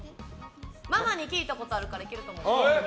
ママに聞いたことあるからいけると思う。